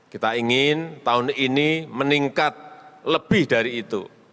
kita ingin tahun ini meningkat lebih dari itu